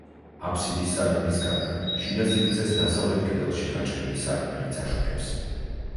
აფსიდის სარკმლის გარდა, შიდა სივრცეს დასავლეთ კედელში გაჭრილი სარკმელიც აშუქებს.